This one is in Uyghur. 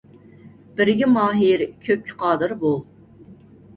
بىرگە ماھىر كۆپكە قادىر بول.